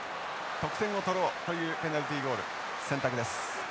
得点を取ろうというペナルティゴール選択です。